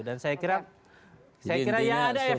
dan saya kira ya ada efeknya itu